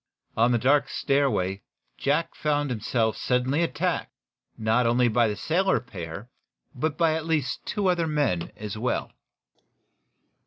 On the dark stairway Jack Benson found himself suddenly attacked, not only by the sailor pair, but by at least two other men, as well.